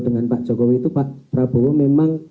dengan pak jokowi itu pak prabowo memang